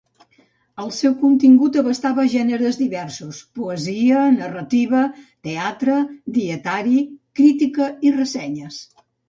El seu contingut abastava gèneres diversos: poesia, narrativa, teatre, dietari, crítica i ressenyes.